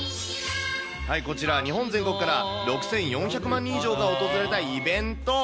こちら、日本全国から、６４００万人以上が訪れたイベント。